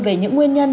về những nguyên nhân